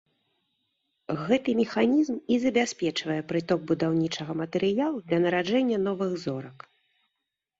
Гэты механізм і забяспечвае прыток будаўнічага матэрыялу для нараджэння новых зорак.